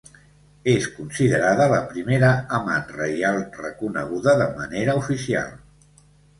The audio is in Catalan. És considerada la primera amant reial reconeguda de manera oficial.